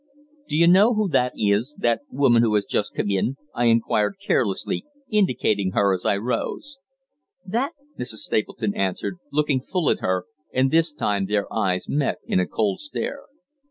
"D'you know who that is, that woman who has just come in?" I inquired carelessly, indicating her as I rose. "That?" Mrs. Stapleton answered, looking full at her, and this time their eyes met in a cold stare.